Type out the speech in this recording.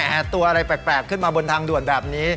ตัวอะไรแปลกขึ้นมาบนทางด่วนแบบนี้